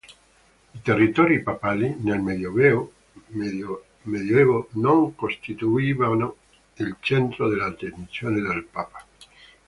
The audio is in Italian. I territori papali, nel Medioevo, non costituivano il centro delle attenzioni del papa.